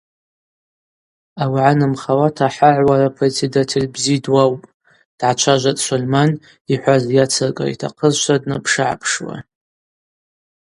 Ауагӏа нымхауата хӏагӏ уара председатель бзи дуаупӏ, – дгӏачважватӏ Сольман, йхӏваз йацыркӏра йтахъызшва днапшыгӏапшуа.